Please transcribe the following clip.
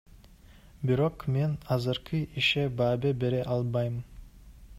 Бирок мен азыркы ишине баа бере албайм.